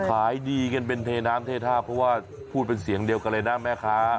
ขายดีกันเป็นเทน้ำเทท่าเพราะว่าพูดเป็นเสียงเดียวกันเลยนะแม่ค้า